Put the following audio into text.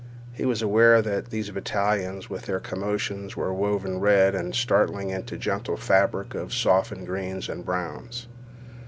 He was aware that these battalions with their commotions were woven red and startling into the gentle fabric of softened greens and browns.